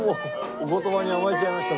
お言葉に甘えちゃいました。